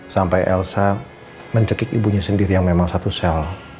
sampai elsa mencekik ibunya sendiri yang memang satu sel